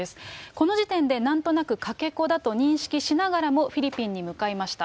この時点でなんとなくかけ子だと認識しながらも、フィリピンに向かいました。